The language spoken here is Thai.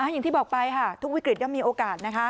อย่างที่บอกไปค่ะทุกวิกฤตยังมีโอกาสนะคะ